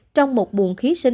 trong một bộ phát minh